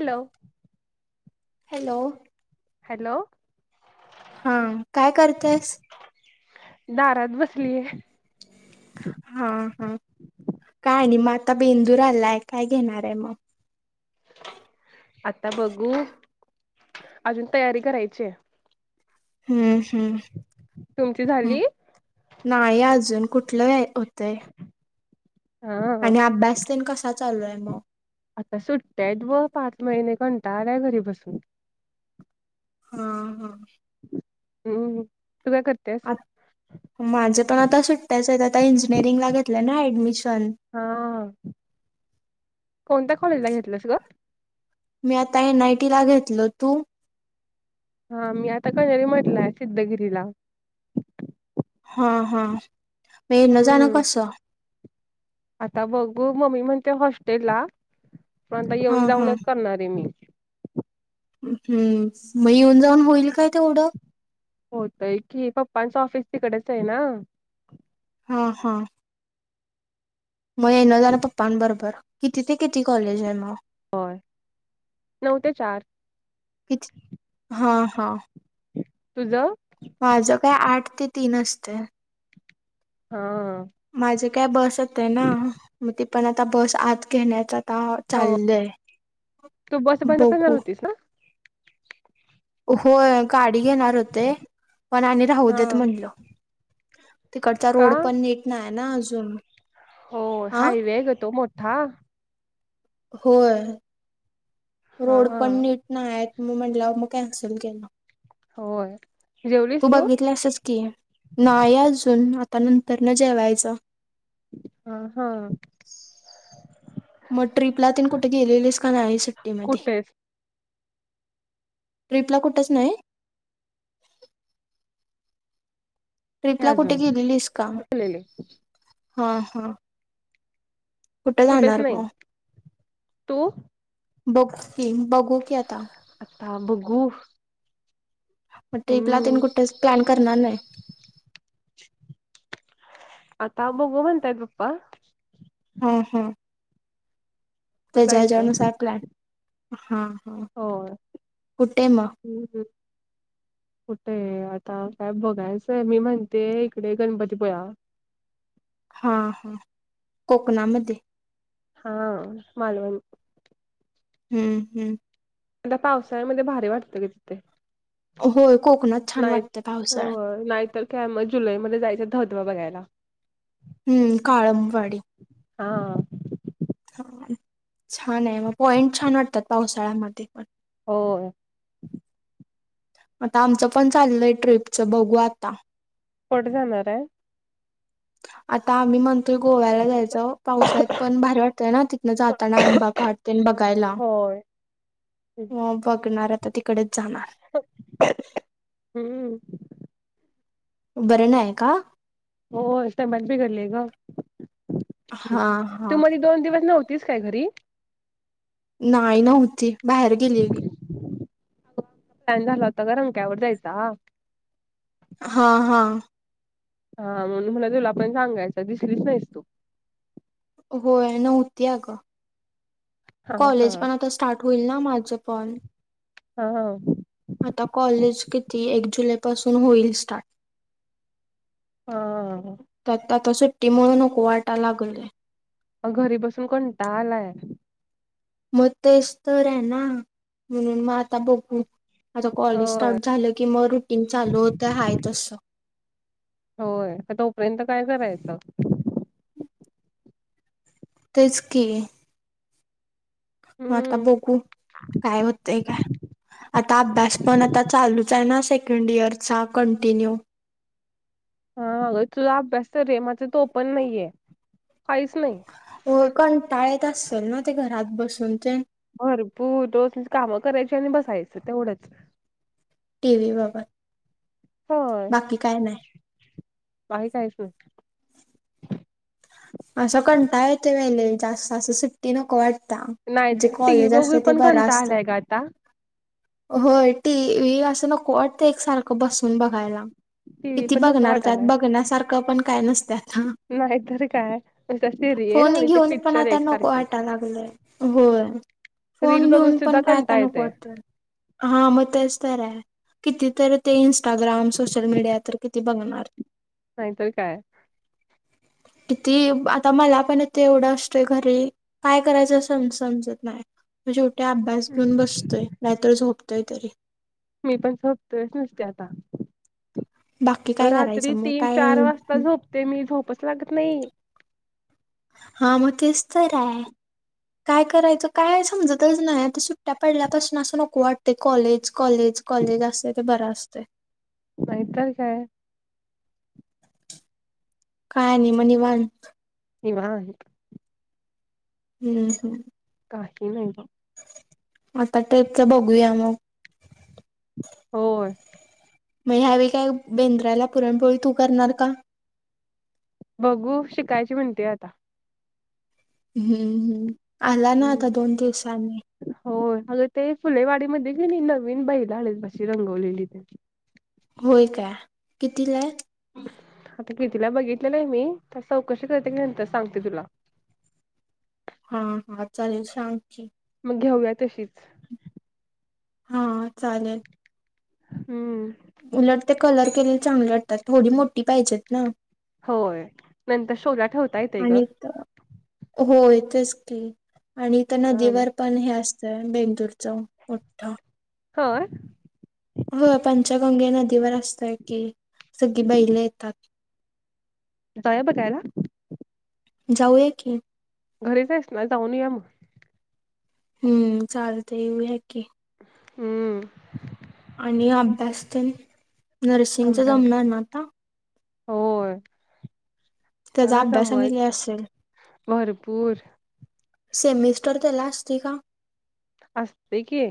Hello hello hello हा काय करतेयस दारात बसलीय हा हा काय नाही म आता बेंदू राहिलाय काय घेणार आहे मग आता बघू अजून तयारी करायची हम्म तुमची हम्म् झाली नाही अजून कुठलं होतय हा आणि अभ्यास तरण कसा चालू आहे मग आता सुट्ट्या आहेत व पाच महिने कंटाळा आहे घरी बसून हा हम हम्म तेच माझे पण आता सुट्ट्याच आहेत आता इंजिनिअरिंगला घेतलं ना ऍडमिशन [inaudible] हा कोणत्या कॉलेजला घेतल्यासगत मी आता एन आयटी ला घेतल तू हा मी आता कणरी म्हटलंय सिद्धगिरीला हा हा म न जाणं हम्म कस आता बघू मम्मी म्हणते हॉस्टेल ला पण आता हा येऊन हा जाऊनच करणार आहे मी हम्म मग येऊन जाऊन होईल काय तेवढं होतय की पप्पांच ऑफिस तिकडेच आहे ना हा हा मग ये न जा आणि पप्पांबरोबर कितीि ते किती कॉलेज आहे मग होय नऊ ते चार किती हा हा तुझं माझ काय आठ ते तीन असते हा माझी काय बस होत आहे ना म ती पण आता बस आत घेण्याचा आता हो चाललंय तू बस बंद करणार बघू होतीस ना हो गाडी घेणार होते पण आणि राहू देत हा म्हणलो तिकडचा का रोड पण नीट नाही आहे ना अजून हो हा हायवे आहे ग तो मोठा होय हा रोड हा, पण नीट नाही आहेत मग म्हंटलं मग कॅन्सल केलं होय तू बघितलं असच की नाहीय अजून त्या नंतर न जेवायचं हा हा मग ट्रिपला तीन कुठे गेलेलेस का नाही सुट्टीमध्ये कुठेच ट्रिपला कुठच नाही. नाही ट्रिपला कुठे अजून गेलेलीस का लेले हा हा कुठ कुठेच जाणार नाही म? तू बघू की बघू की आता गु मग ट्रिपला तेन कुठेच प्लॅन करणार नाही. आता बघू म्हणतायेत पपा हम हम् मग तेज्या ह्यज्या नुसार प्लॅन हा हा होय कुठे मग? हम्म ह [inaudible] कुठेय आता काय बघायचंय मी म्हणते इकडे गणपतीपुळ्या हा हा कोकणामध्ये हा मालवण हम्म हम्म आता पावसाळ्यामध्ये भारी वाटतय ग तिथे होय कोकणात छान नाही वाटतं पावसाळ्यात. होय नाहीतर काय म जुलैमध्ये जायचं धबधबा बघायला. हम्म काळंमवाडी हा. ह छान आहे मग पॉइंट छान वाटतात पावसाळ्यामध्ये होय. आता आमचं पण चाललंय ट्रिपच बघू आता कुठे जाणार आहे? आता आम्ही म्हण तो गोव्याला जायचं पावसात पण भारी वाटतंय ना तिथनं जाताना आंबा घाट आणि बघायला. होय. हो बघणार आता तिकडेच जाणार. हम्म बरं नाही का? हो तब्येत बिघडली ग हा तू हा मध्ये दोन दिवस नव्ह तीस काय घरी नाही नव्हती बाहेर गेलेली. आता रंक्या वर जायचा हा हा. हा म्हणून मला तुला पण सांगायच दिसलीच नाहीस तू होय नव्हती अगं हा हा कॉलेज पण आता स्टार्ट होईल ना माझ पण हा हा आता कॉलेज ती एक जुलैपासून होईल स्टार्ट हा. ती मूळ नको वाटाय लागलय. अ घरी बसून कंटाळा आलाय. मग तेच तर आहे ना म्हणून मग आता बघू आता कॉलेज होय स्टार्ट झालं की मग रुटीन चालू होतं हाय तसं होय आता तो पर्यंत काय करायचं? [inaudible] तेच की म आता हम्म बघू काय होतय काय आता अभ्यास पण आता चालूच आहे ना सेकंड इयरचा, कंटिन्यू. हा अगं तुला अभ्यास तरी य,, माझ तो पण नाहीयेऽ होय,, कंटाळेत असल ना ते घरात बसून तनऽ भरपूर रोज काम करायची आणि बसायचं,, तेवढंच. टीव्ही बाघत,,, बाकी काय नाही. काही काय स, असा कंटाळा येतोय बई लय जास्त,, असं सुट्टी नको वाटऽऽ त्याग,, जे नाही टीव्ही कॉलेज बघून असतय ते पण बरं कंटाळा असतय. आलाय ग आता होय टी वी, असं नको वाटतय एक सारखं बसून बघायला. टीव्ही किती पण नको बघणार,, त्यात वाटालाय बघण्यासारखं पण काय नसतयऽ नाहीतर काय नुसत्या सिरियल फोन आणि ते घेऊन पण पिक्चर आता नको एकसारखेच वाटा लागलंय,, होय. रील फोन बघून घेऊन सुद्धा पण काय आता कंटाळा नको येतोय वाटतय,, हा मग तेच तर आयऽ किती तर ते इं्स्टाग्राम, सोशल मीडिया, तर किती बघणार. नाहीतर काय. किती, आता मला पण इथे एवढंऽ असतोय घरी, काय करायचं अस समजत नायऽऽ शेवटी अभ्यास घेऊन बसतोय,, नाहीतर झोपतोय तरी. मी पण झोपतोयच नुसतं आता. बाकी काय रात्री करायचं मग तीन, काय चार वाजता झोपते मी,, झोपच लागत नाही. हा मग तेच तरर आय. काय करायचं काय समजतच नाय आता सुट्ट्या पडल्यापासून असं नको वाटतय कॉलेजऽ कॉलेज, कॉलेज असतय ते बरं असतय. नाही तर काय. काय नाही म्ह निवांत. निवांत, ह ह ह नाही [unintelligible] आता टि्पच बघूया मगऽ होय, मग ह्यावेळी काय? बेंद्राला पुरणपोळी तू करणार का? बघू, शिकायची म्हणतेय आता. हम्म, हम्म, आला ना आता दोन दिवसांनी, होय अगं ते फुलेवाडी मध्ये के नै नवीन बैल आल्याय बग रंगवलेली. होय का? कितीला आय? मी तिला बघितलेलं के नै त्या चौकशी करते की नंतर सांगते तुलाऽ हा हा, चालेल सांग. घेऊया तशीच, हा चालेल,, हम्म, उलट ते कलर केलेल चांगले वाटतात, थोडी मोठी पाहिजेत ना, होय,, नंतर शोला ठेवता येतय गं. आणि इथं होय तेच की, आणि त्या हं. नदीवर पण हे असतंय,, बेंदुरचं मोठं, होय, वय, पंचगंगे नदीवर असतय की, सगळी बैलं येतात. [unintelligible] जाऊ या बगायला, जाऊया की. घरीच आहेस ना जाऊन या मग. हम्म, चालतय येऊया की. हम्म, आणि अभ्यास तेऽऽ नर्सिंगच आंबा जमणार ना आता. होय. त्याचा तग अभ्यास आणि लय जमयच असेल भरपूर. सेमिस्टर त्याला असते का? असते की.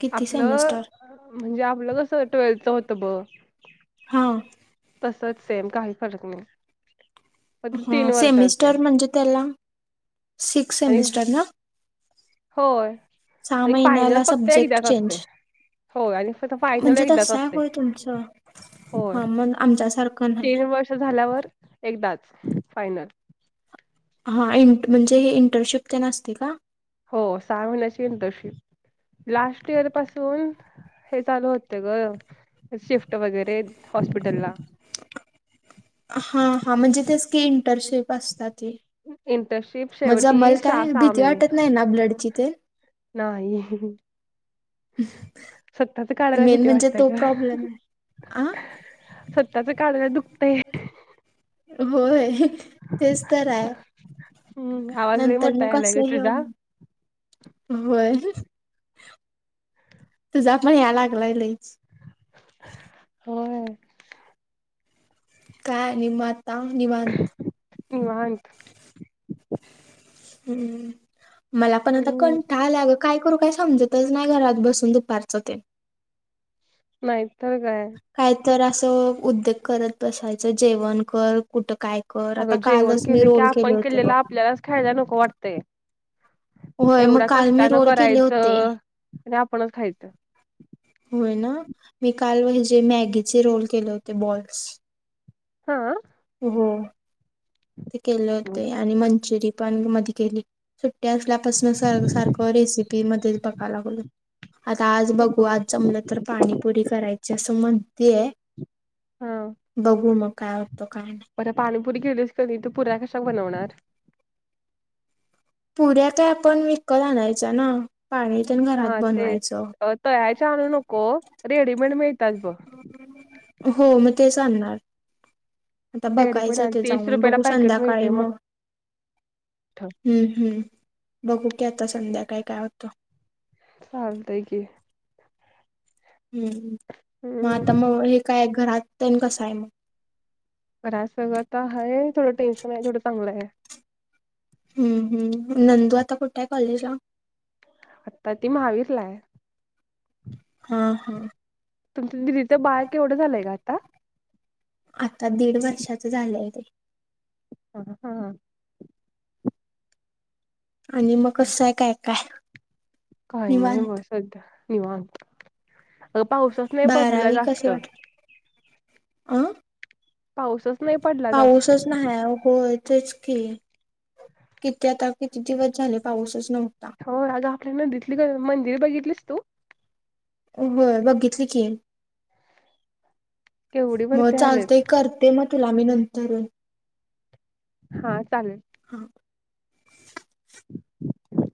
किती आपलं सेमिस्टर म्हणजे आपलं कस ट्वेल्थच होत ब हा तसच सेम काही फरक नाही. फक्त ह तीन वर्षाचे सेमिस्टर म्हणजे त्याला सिक्स आणि सेमिस्टर ना. होय सहा आणि फायनल महिन्याला फक्त सब्जेक्ट एकदा्याच असते. चेंज हो आणि फत फायनल म्हणजे एकदाच तसं आहे असते. होय तुमचं होय हा मग आमच्यासारखं नाही तीन वर्ष झाल्यावर एक दाच फायनल. हा म्हणजे इंटर्नशिप तेन असते का? हो सहा महिन्याची इंटरशिप. लास्ट इयर पासून हे चालू होते ग. शिफ्ट वगैरे हॉस्पिटल ला. हा हा म्हणजे त्या इंटरशिप असतात. इंटर्नशिप मग शेवटी जमल सहा काय सहा भीती महिने वाटत नाही ना ब्लडची. ते नाही. स्वतच काढायला मेन भीती म्हणजे वाटतय तो ग. प्रॉब्लेम आहे आ त्यांच काढयला दुः होय तेच तर आहे. हम्म आवाज लय नंतर मोठा ना यायलाय कस ग तुझा घऊन होय तुझा पण या लागलाय लईच- होय काय आणि मग. निवांत. निवांत हम्म मला पण आता हम्म कनटाला आला ग. काय करू काय समजतच नाही घरात बसून दुपारचं ते. नाही तर काय. तर असं उद्योग करत बसायचं जेवण कर कुठं काय? कर आता अगं जेवण कालच मी केलं की रोल केले आपण होते केलेलं बघ. होय मग एवढा काल मी कष्टानं रोल केले होते करायचं आणि आपणच खायच. होय न‌ मी काल म्हजे मॅगीचे रोल केले होते बॉल्स. हा. हो. ते केले होते आणि मंचुरी पण मध्ये केली. सुट्ट्या असल्यापासून सारख रेसिपी मध्येच बघाय लागलोय. आता आज बघू आज जमलं तर पाणीपुरी करायची असं म्हणतीय. हा बघू मग काय होतंय काय नाय. पुरी केलीस का नाही तू पुऱ कशा बनवणार? पुऱ्या काय आपण विकत आणायचा ना. पाणी तेन घरात हा तेच बनवायचं. तळायच्या आणू नको रेडीमेड मिळतात बग. हो मग तेच आगणार. आता रेडीमेड बघायचं आणि ते तीस जाऊन रुपयाला बघू पॅकेट संध्याकाळी मिळते मग मोठं हम्म हम्म बघू की आता संध्याकाळी काय होतं. चालतय कि. हम्म मग आता हम्म मग हे काय घरातेन कसंय म. बर सगळंत हाये थोडं टेन्शन आहे थोडं चांगलं हाये. हम्म हम्म नंदू आता कुठेय कॉलेजला? आता ती महावीरलाये. ह ह. तुमचं दिदीचं बाळ केवढं झालंय ग आता. आता दीड वर्षाच झालंय ते. हा हा हा आणि मग हा. कसं आहे काय काय काही नाही निवांत बस सध्या निवांत अग पाऊसच नाही पडलेला जास्त आं पाऊसच नाही पडला जास्त पाऊसच नाही होय तेच की किती आता किती दिवस झाले पाऊसच नव्हता हो अगं आपल्या नदीतली ग मंदिर बघितलीस तू हो बघितली की केवढी मग वरती आलेत चालतेय करते मग तुला मी नंतर हा चालेल हा